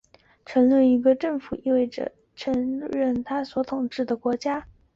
承认一个政府意味着隐式承认它所统治的国家。